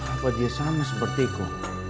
apa dia sama seperti aku